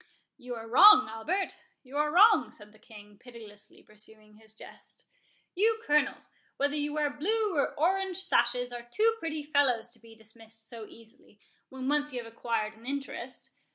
"You are wrong, Albert, you are wrong," said the King, pitilessly pursuing his jest. "You Colonels, whether you wear blue or orange sashes, are too pretty fellows to be dismissed so easily, when once you have acquired an interest.